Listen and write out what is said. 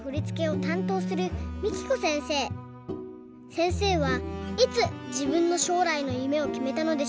せんせいはいつじぶんのしょうらいのゆめをきめたのでしょうか？